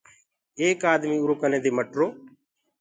ايڪ آدميٚ اُرو ڪني دي مٽرو۔